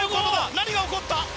何が起こった？